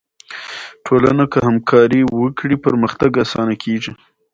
ټولنه که همکاري وکړي، پرمختګ آسانه کیږي.